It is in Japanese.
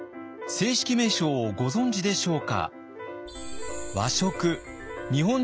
正式名称をご存じでしょうか？